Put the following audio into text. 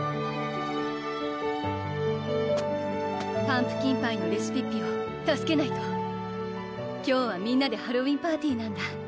パンプキンパイのレシピッピを助けないと今日はみんなでハロウィンパーティなんだ